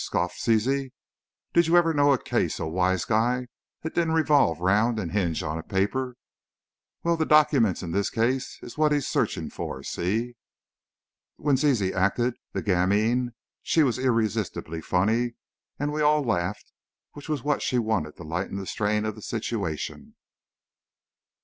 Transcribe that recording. scoffed Zizi; "did you ever know a case, oh, Wise Guy, that didn't revolve round and hinge on a poiper? Well, the dockyments in the case is what he's a soichin' for! See?" When Zizi acted the gamine she was irresistibly funny and we all laughed, which was what she wanted to lighten the strain of the situation.